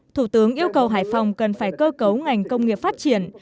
thủ tướng yêu cầu hải phòng cần phải cơ cấu ngành công nghiệp phát triển